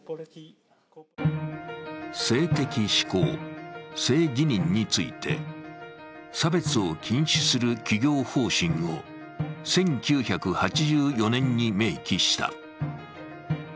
性的指向、性自認について差別を禁止する企業方針を１９８４年に明記した。